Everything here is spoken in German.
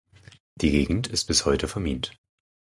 Die Gegend ist bis heute vermint.